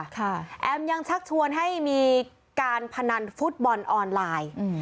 แอมยังชักชวนให้มีการพนันฟุตบอลออนไลน์อืม